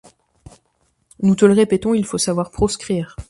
Nous te le répétons, il faut savoir proscrire